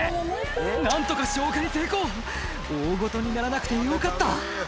何とか消火に成功大ごとにならなくてよかった